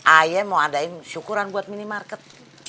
ayah mau adain syukuran buat minimarket